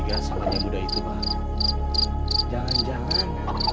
saya jadi curiga sama yang udah itu pak jangan jangan